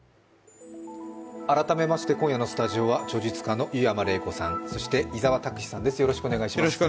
改めまして今夜のスタジオは著述家の湯山玲子さん、そして伊沢拓司さんです。